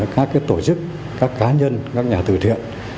các tổ chức các cá nhân các nhà từ thiện